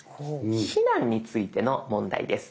避難についての問題です。